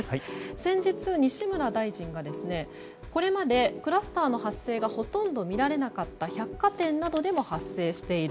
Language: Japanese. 先日、西村大臣がこれまでクラスターの発生がほとんど見られなかった百貨店などでも発生している。